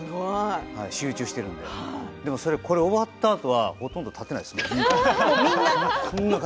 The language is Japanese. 集中しているのででもこれが終わったあとは、ほとんど立てないですよ。